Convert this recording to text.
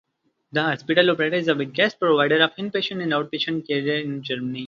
The hospital operator is the biggest provider of inpatient and outpatient care in Germany.